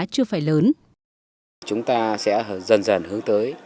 chúng ta sẽ dần dần hướng tới